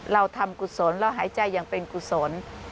เราทำกุศลเราหายใจอย่างเป็นกุศล